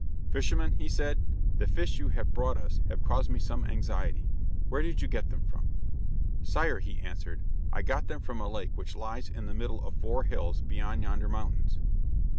"Fisherman," he said, "the fish you have brought us have caused me some anxiety. Where did you get them from?" "Sire," he answered, "I got them from a lake which lies in the middle of four hills beyond yonder mountains."